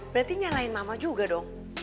berarti nyalain mama juga dong